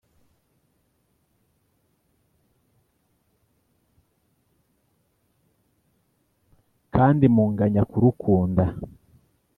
kandi munganya kurukunda